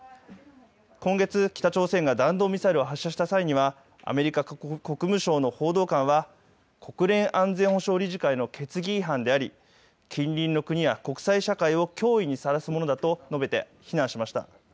今月、北朝鮮が弾道ミサイルを発射した際にはアメリカ国務省の報道官は国連安全保障理事会の決議違反であり、近隣の国や国際社会を脅威にさらすものだと述べて、非難しました。